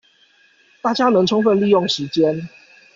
大家能充分利用時間